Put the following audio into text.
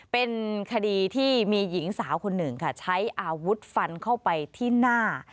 เป็นคดีที่มีหญิงสาวคนหนึ่งค่ะใช้อาวุธฟันเข้าไปที่หน้า